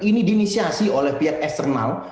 ini diinisiasi oleh pihak eksternal